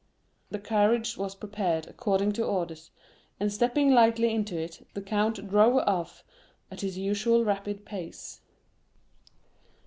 The carriage was prepared according to orders, and stepping lightly into it, the count drove off at his usual rapid pace.